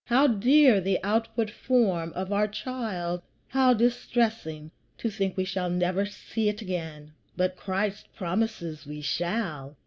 How dear the outward form of our child, how distressing to think we shall never see it again! But Christ promises we shall.